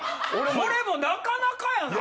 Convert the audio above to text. これもなかなかやな。